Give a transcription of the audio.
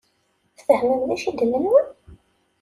Tfehmem d acu i d-nenna?